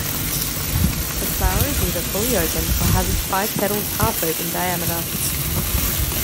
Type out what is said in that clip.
The flower is either fully open or has its five petals half open diameter.